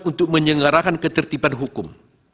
untuk menyelenggarakan ketertiban hukum